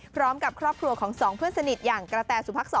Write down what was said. พร้อมกับครอบครัวของสองเพื่อนสนิทอย่างกระแตสุพักษร